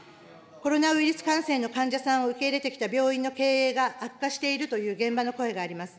コロナウイルス感染の患者さんを受け入れてきた病院の経営が悪化しているという現場の声があります。